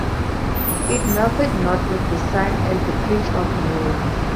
It melteth not with the sun as the pitch of Norway.